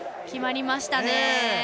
決まりましたね。